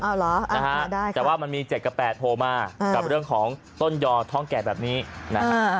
เอาเหรอนะฮะแต่ว่ามันมี๗กับ๘โผล่มากับเรื่องของต้นยอท้องแก่แบบนี้นะฮะ